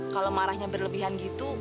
kalau marahnya berlebihan gitu